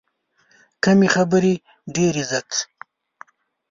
کمې خبرې، ډېر عزت.